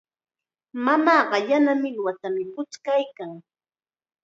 Mamaaqa yana millwatam puchkaykan.